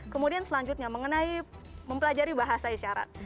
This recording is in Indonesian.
kemudian selanjutnya mengenai mempelajari bahasa isyarat